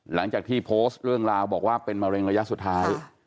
หลังจากที่โพสต์เรื่องราวบอกว่าเป็นมะเร็งระยะสุดท้าย